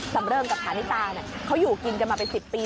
เริงกับฐานิตาเขาอยู่กินกันมาเป็น๑๐ปี